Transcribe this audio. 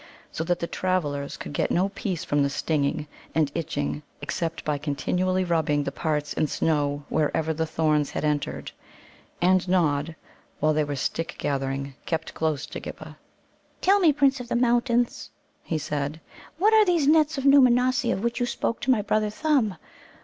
So that the travellers could get no peace from the stinging and itching except by continually rubbing the parts in snow wherever the thorns had entered. And Nod, while they were stick gathering, kept close to Ghibba. "Tell me, Prince of the Mountains," he said, "what are these nets of Nōōmanossi of which you spoke to my brother Thumb?